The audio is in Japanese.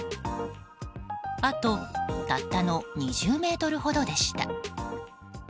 あと、たったの２０ｍほどでした。